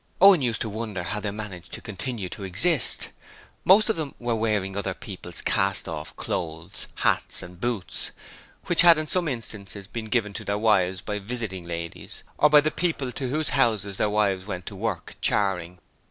Owen used to wonder how they managed to continue to exist. Most of them were wearing other people's cast off clothes, hats, and boots, which had in some instances been given to their wives by 'visiting ladies', or by the people at whose houses their wives went to work, charing.